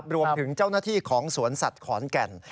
รวมถึงเจ้าหน้าที่ของสวนสัตว์ขอนแก่น